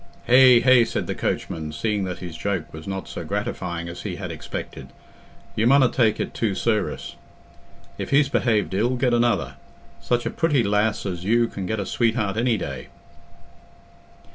"Hegh, hegh!" said the coachman, seeing that his joke was not so gratifying as he had expected, "you munna take it too ser'ous; if he's behaved ill, get another. Such a pretty lass as you can get a sweetheart any day."